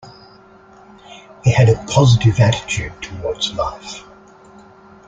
He had a positive attitude towards life.